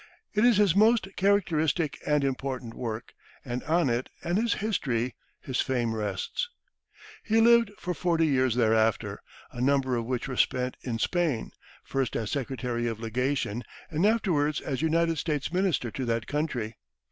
It is his most characteristic and important work, and on it and his "History," his fame rests. He lived for forty years thereafter, a number of which were spent in Spain, first as secretary of legation, and afterwards as United States minister to that country.